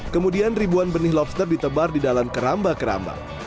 kemudian ribuan benih lobster ditebar di dalam keramba keramba